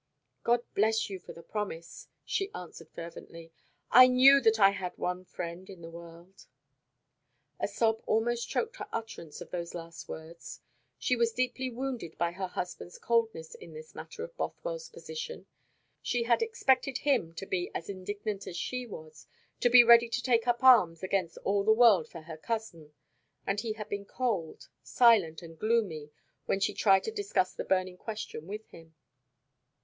"God bless you for the promise," she answered fervently. "I knew that I had one friend in the world." A sob almost choked her utterance of those last words. She was deeply wounded by her husband's coldness in this matter of Bothwell's position. She had expected him to be as indignant as she was, to be ready to take up arms against all the world for her cousin; and he had been cold, silent, and gloomy when she tried to discuss the burning question with him.